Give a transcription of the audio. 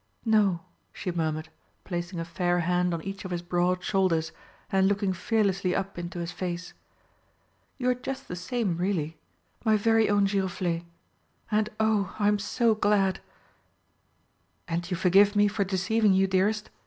"No," she murmured, placing a fair hand on each of his broad shoulders and looking fearlessly up into his face. "You are just the same, really. My very own Giroflé! And, oh, I'm so glad!" "And you forgive me for deceiving you, dearest?"